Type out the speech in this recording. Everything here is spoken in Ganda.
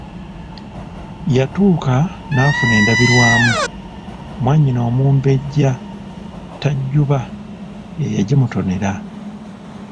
Yatuuka n'afuna endabirwamu, mwannyina Omumbejja Tajuuba ye yagimutonera.